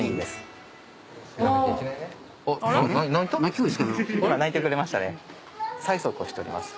今鳴いてくれましたね。